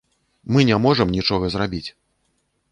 Мы не можам нічога зрабіць.